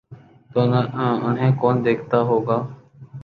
تو انہیں کون دیکھتا ہو گا؟